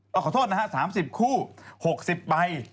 เอาขอโทษนะฮะ๓๐คู่๖๐ใบ